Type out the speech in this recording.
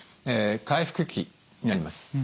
回復期になります。